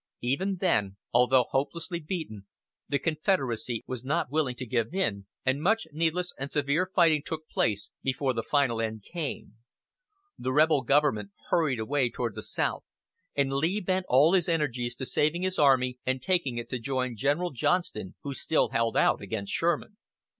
Even then, although hopelessly beaten, the Confederacy was not willing to give in, and much needless and severe fighting took place before the final end came. The rebel government hurried away toward the South, and Lee bent all his energies to saving his army and taking it to join General Johnston, who still held out against Sherman.